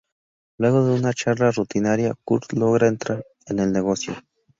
Luego de una charla rutinaria Kurt logra entrar en el negocio.